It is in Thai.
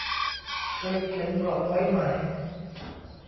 เคยเขียนบล็อกไว้ไหม